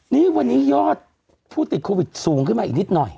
นี่วันนี้ยอปฟู้ติดสูงขึ้นอีกนิดหน่อย